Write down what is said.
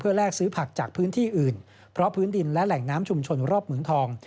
แลกซื้อผักจากพื้นที่อื่นเพราะพื้นดินและแหล่งน้ำชุมชนรอบเหมืองทอง